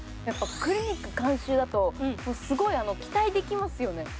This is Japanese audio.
やっぱりクリニック監修だとすごい期待できますよね。